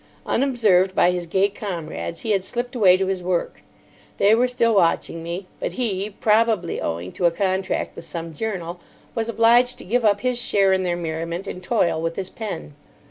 Unobserved by his gay comrades, he had slipped away to his work. They were still watching me; but he, probably owing to a contract with some journal, was obliged to give up his share in their merriment and toil with his pen.